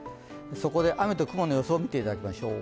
そこで雨と雲の予想、見ていきましょう。